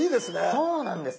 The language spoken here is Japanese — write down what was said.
そうなんです。